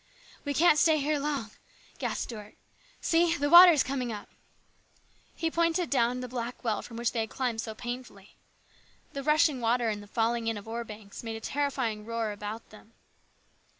" We can't stay here long," gasped Stuart " See, the water is coming up !" He pointed down the black well from which they had climbed so painfully. The rushing water and the falling in of ore banks made a terrifying uproar about them.